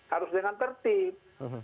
harus dengan tertib